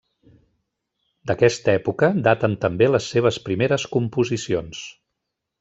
D'aquesta època daten també les seves primeres composicions.